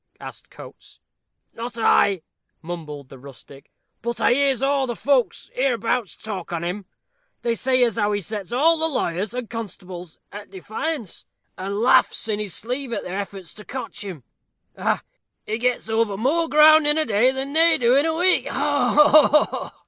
asked Coates. "Not I," mumbled the rustic; "but I hears aw the folks hereabouts talk on him. They say as how he sets all the lawyers and constables at defiance, and laughs in his sleeve at their efforts to cotch him ha, ha! He gets over more ground in a day than they do in a week ho, ho!"